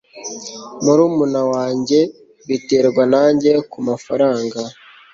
murumuna wanjye biterwa nanjye kumafaranga